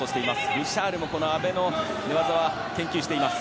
ブシャールも、阿部の寝技は研究しています。